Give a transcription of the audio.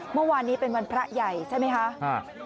เมื่อวานนี้เป็นวันพระใหญ่ใช่ไหมคะ